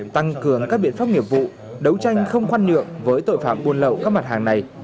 tăng cường các biện pháp nghiệp vụ đấu tranh không khoan nhượng với tội phạm buôn lậu các mặt hàng này